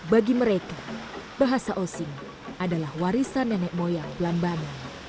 bagi mereka bahasa ossing adalah warisan nenek moyang lamban